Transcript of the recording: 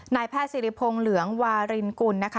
นายแพทย์สิริพงศ์เหลืองวารินกุลนะคะ